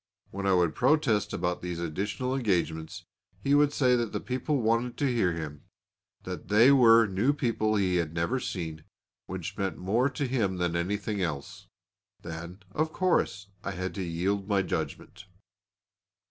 When I would protest about these additional engagements he would say that the people wanted to hear him, that they were new people he had never seen, which meant more to him than anything else; then, of course, I had to yield my judgment.